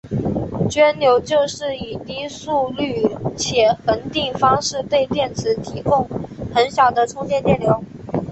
涓流就是以低速率且恒定方式对电池提供很小的充电电流。